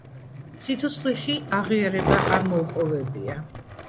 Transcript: სიცოცხლეში აღიარება არ მოუპოვებია.